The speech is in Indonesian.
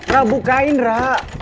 ra bukain ra